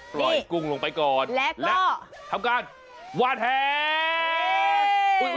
ปล่อยกุ้งลงไปก่อนแล้วก็ทำการหวานแหง